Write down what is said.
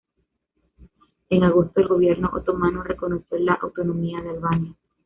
En agosto, el Gobierno otomano reconoció la autonomía de Albania.